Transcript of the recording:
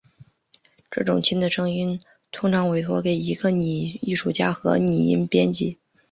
这种轻的声音通常委托给一个拟音艺术家和拟音编辑。